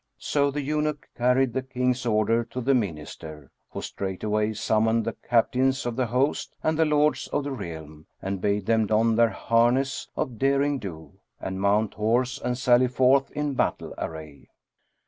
So the eunuch carried the King's order to the Minister, who straightaway summoned the Captains of the host and the Lords of the realm and bade them don their harness of derring do and mount horse and sally forth in battle array.